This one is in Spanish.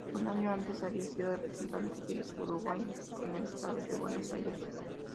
Un año antes había sido representante del Uruguay en el Estado de Buenos Aires.